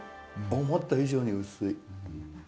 思った以上に薄い。